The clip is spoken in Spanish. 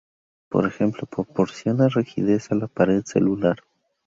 Por ejemplo, proporciona rigidez a la pared celular.